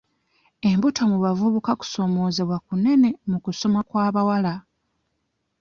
Embuto mu bavubuka kusoomoozebwa kunene mu kusoma kw'abawala.